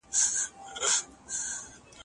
زه اوس ږغ اورم!.